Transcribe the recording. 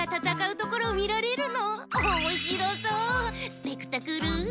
スペクタクル！